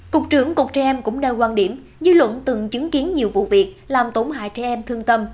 cục trưởng cục trẻ em cũng nêu quan điểm dư luận từng chứng kiến nhiều vụ việc làm tổn hại trẻ em thương tâm